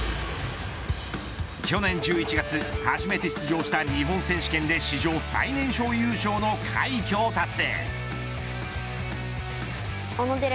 去年１１月初めて出場した日本選手権で史上最年少優勝の快挙を達成。